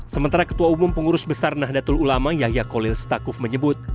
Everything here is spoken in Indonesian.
sementara ketua umum pengurus besar nahdlatul ulama yahya kolil stakuf menyebut